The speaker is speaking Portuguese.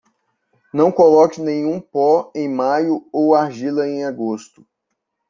Não coloque nenhum pó em maio ou argila em agosto.